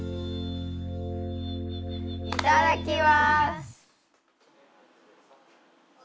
いただきます。